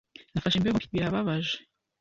"Nafashe imbeho mbi." "Birababaje."